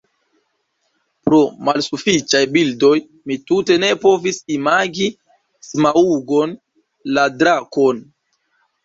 Pro malsufiĉaj bildoj mi tute ne povis imagi Smaŭgon, la drakon.